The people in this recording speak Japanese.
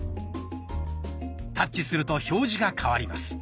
タッチすると表示が替わります。